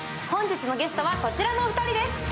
本日のゲストはこちらのお二人です。